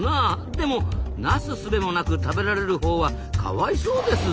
でもなすすべもなく食べられるほうはかわいそうですぞ。